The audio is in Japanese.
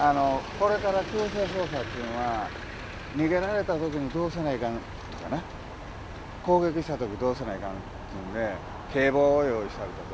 これから強制捜査っちゅうんは逃げられた時にどうせないかんとかな攻撃された時どうせないかんつうんで警棒を用意したりとか。